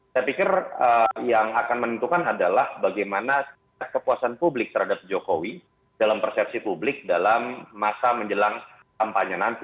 saya pikir yang akan menentukan adalah bagaimana kepuasan publik terhadap jokowi dalam persepsi publik dalam masa menjelang kampanye nanti